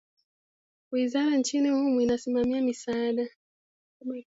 Wizara nchini humo inayosimamia misaada .